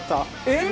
えっ！